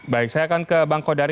baik saya akan ke bang kodari